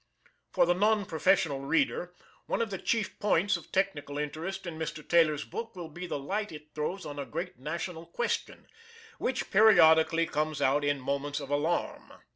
For the non professional reader one of the chief points of technical interest in Mr. Taylor's book will be the light it throws on a great national question, which periodically comes out in moments of alarm.